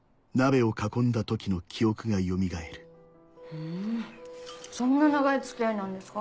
ふんそんな長い付き合いなんですか？